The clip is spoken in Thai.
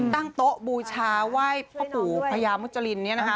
ตั้งโต๊ะบูชาไหว้พ่อปู่พระยามุจรินเนี่ยนะฮะ